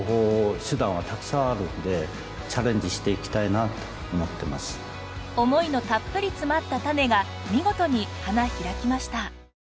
今では思いのたっぷり詰まったタネが見事に花開きました。